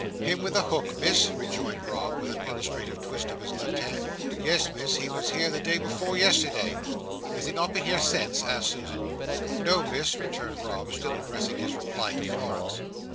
"Him with a hook, Miss?" rejoined Rob, with an illustrative twist of his left hand. Yes, Miss. He was here the day before yesterday." "Has he not been here since?" asked Susan. "No, Miss," returned Rob, still addressing his reply to Florence.